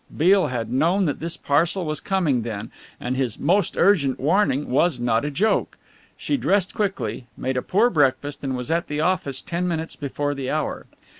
Beale had known that this parcel was coming then, and his "most urgent" warning was not a joke. She dressed quickly, made a poor breakfast and was at the office ten minutes before the hour.